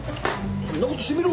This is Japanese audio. そんな事してみろ。